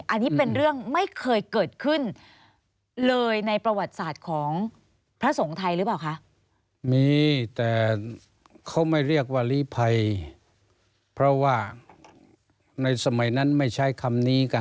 อันนี้เป็นเรื่องไม่เคยเกิดขึ้นเลยในประวัติศาสตร์ของพระสงฆ์ไทยหรือเปล่าคะ